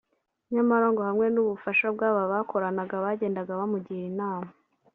nyamara ngo hamwe n’ubufasha bw’aba bakoranaga bagendaga bamugira inama